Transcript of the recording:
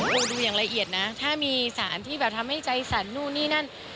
ดูอย่างละเอียดนะถ้ามีสารที่แบบทำให้ใจสั่นนู่นนี่นั่น